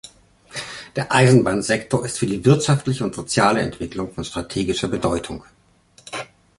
Der Eisenbahnsektor ist für die wirtschaftliche und soziale Entwicklung von strategischer Bedeutung.